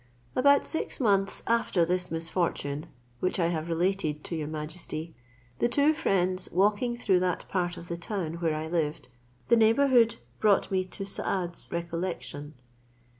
About six months after this misfortune, which I have related to your majesty, the two friends walking through that part of the town where I lived, the neighbourhood brought me to Saad's recollection.